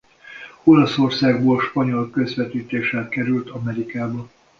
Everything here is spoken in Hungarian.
Olaszországból spanyol közvetítéssel került Amerikába.